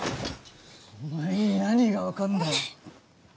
お前に何が分かんだよ。